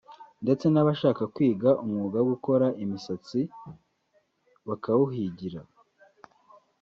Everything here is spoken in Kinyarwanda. ndetse n’abashaka kwiga umwuga wo gukora imisatsi bakawuhigira